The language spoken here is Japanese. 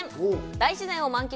大自然を満喫。